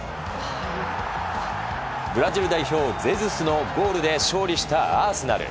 ブラジル代表、ゼズスのゴールで勝利したアーセナル。